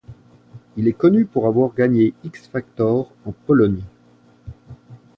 Il est connu pour avoir gagné X Factor en Pologne.